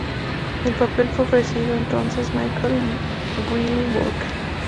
El papel fue ofrecido entonces Michael Reilly Burke.